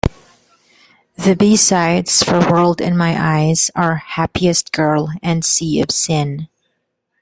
The B-sides for "World in My Eyes" are "Happiest Girl" and "Sea of Sin".